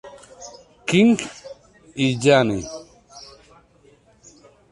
King y Yanni.